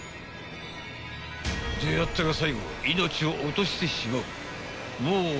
［出合ったら最後命を落としてしまう］